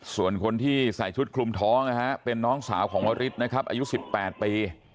ส่วนคนที่ใส่ชุดคลุมท้องนะฮะเป็นน้องสาวของวริสนะครับอายุ๑๘ปี